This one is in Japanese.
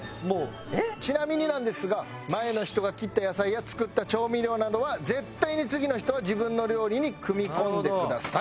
ちなみになんですが前の人が切った野菜や作った調味料などは絶対に次の人は自分の料理に組み込んでください。